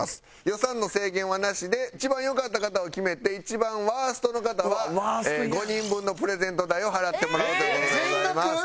予算の制限はなしで一番良かった方を決めて一番ワーストの方は５人分のプレゼント代を払ってもらうという事でございます。